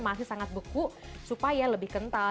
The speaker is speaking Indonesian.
masih sangat beku supaya lebih kental